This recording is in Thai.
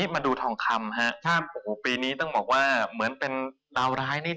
มาดูทองคำปีนี้ต้องบอกว่าเหมือนเป็นดาวร้ายนิด